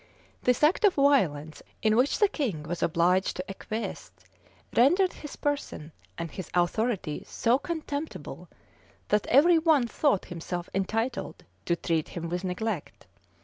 This act of violence, in which the king was obliged to acquiesce, rendered his person and his authority so contemptible, that every one thought himself entitled to treat him with neglect.